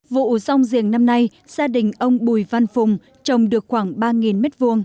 vụ rong giềng năm nay gia đình ông bùi văn phùng trồng được khoảng ba m hai